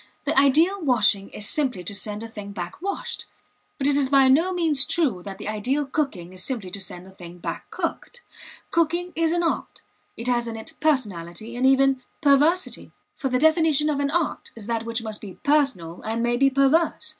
The ideal washing is simply to send a thing back washed. But it is by no means true that the ideal cooking is simply to send a thing back cooked. Cooking is an art; it has in it personality, and even perversity, for the definition of an art is that which must be personal and may be perverse.